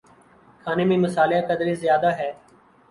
کھانے میں مصالحہ قدرے زیادہ ہے